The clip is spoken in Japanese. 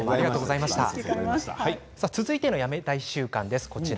続いてのやめたい習慣です。